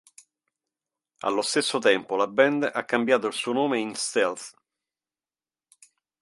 Allo stesso tempo la band ha cambiato il suo nome in Stealth.